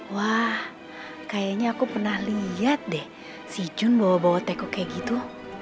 wah kayaknya aku pernah lihat deh si jun bawa bawa teko kayak gitu